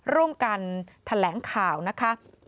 ร่วมกันแถลงข่าวนะคะ